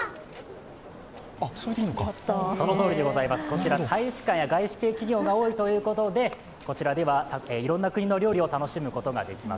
こちら、大使館は外資系企業が多いということでこちらではいろんな国の料理を楽しむことができます。